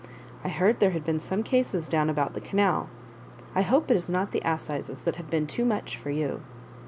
I heard there had been some cases down about the canal I hope it is not the assizes that have been too much for you."